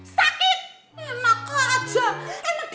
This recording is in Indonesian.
sakit emang gak ada